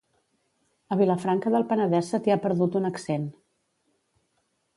A Vilafranca del Penedès se t'hi ha perdut un accent